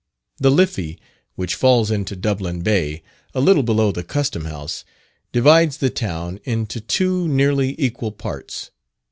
The Liffey, which falls into Dublin Bay a little below the Custom House, divides the town into two nearly equal parts.